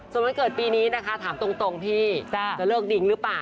ส่วนวันเกิดปีนี้นะคะถามตรงพี่จะเลิกดิงหรือเปล่า